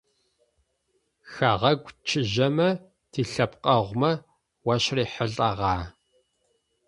Хэгъэгу чыжьэмэ тилъэпкъэгъумэ уащырихьылӏагъа?